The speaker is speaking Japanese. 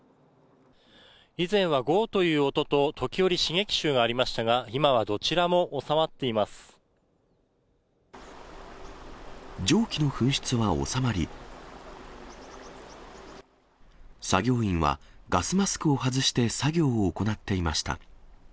以前はごーっという音と、時折、刺激臭がありましたが、蒸気の噴出は収まり、作業員はガスマスクを外して作業を行っていました。